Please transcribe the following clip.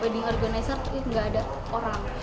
wedding organizer itu nggak ada orang